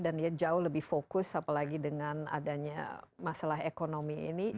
dan dia jauh lebih fokus apalagi dengan adanya masalah ekonomi ini